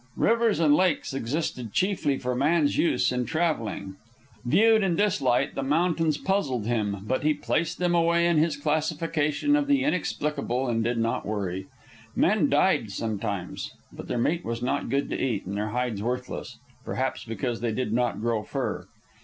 Rivers and lakes existed chiefly for man's use in travelling. Viewed in this light, the mountains puzzled him; but he placed them away in his classification of the Inexplicable and did not worry. Men died, sometimes. But their meat was not good to eat, and their hides worthless, perhaps because they did not grow fur.